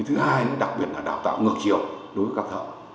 thứ hai đặc biệt là đào tạo ngược chiều đối với các thợ